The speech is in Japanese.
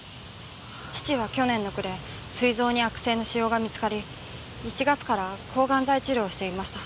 父は去年の暮れすい臓に悪性の腫瘍が見つかり１月から抗がん剤治療をしていました。